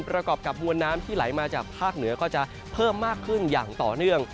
ประกอบกับมวลน้ำที่ไหลมาจากภาคเหนือก็จะเพิ่มมากขึ้นอย่างต่อเนื่อง